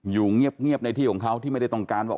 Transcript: อยู่เงียบในที่ของเขาที่ไม่ได้ต้องการว่า